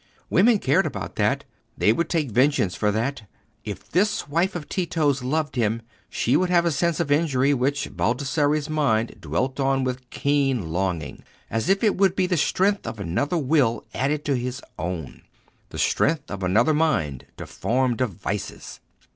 Women cared about that: they would take vengeance for that. If this wife of Tito's loved him, she would have a sense of injury which Baldassarre's mind dwelt on with keen longing, as if it would be the strength of another Will added to his own, the strength of another mind to form devices.